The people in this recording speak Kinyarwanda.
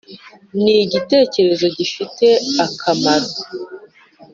nigitekerezo gifite akamaro